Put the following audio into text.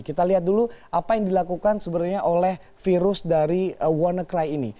kita lihat dulu apa yang dilakukan sebenarnya oleh virus dari wannacry ini